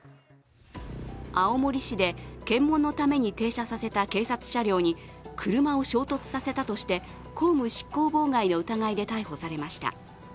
青森市で検問のために停車させた警察車両に車を衝突させたとして公務執行妨害の疑いで逮捕されました。